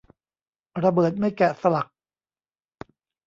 ระเบิดไม่แกะสลัก